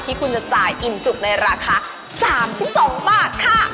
ที่คุณจะจ่ายอิ่มจุกในราคา๓๒บาทค่ะ